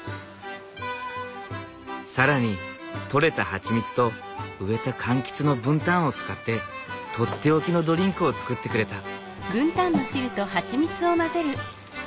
更に取れたハチミツと植えた柑橘のブンタンを使ってとっておきのドリンクを作ってくれた。